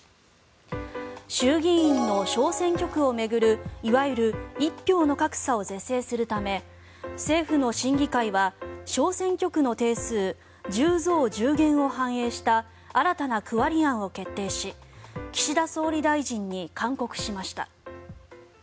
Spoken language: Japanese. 衆議院の小選挙区を巡るいわゆる一票の格差を是正するため政府の審議会は小選挙区の定数１０増１０減を反映した新たな区割り案を決定し岸田総理大臣に勧告しました。